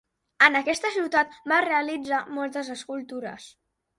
En aquesta ciutat va realitzar moltes escultures.